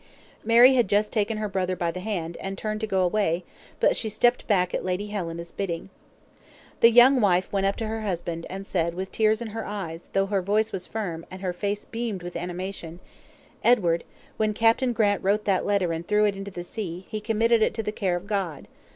Mary had just taken her brother by the hand, and turned to go away; but she stepped back at Lady Helena's bidding. The young wife went up to her husband, and said, with tears in her eyes, though her voice was firm, and her face beamed with animation: "Edward, when Captain Grant wrote that letter and threw it into the sea, he committed it to the care of God.